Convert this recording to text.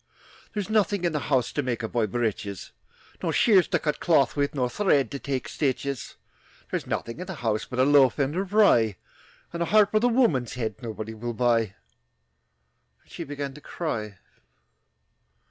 "There's nothing in the house To make a boy breeches, Nor shears to cut a cloth with Nor thread to take stitches. "There's nothing in the house But a loaf end of rye, And a harp with a woman's head Nobody will buy," And she began to cry.